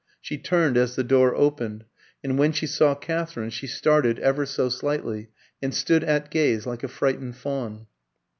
She turned as the door opened, and when she saw Katherine she started ever so slightly, and stood at gaze like a frightened fawn.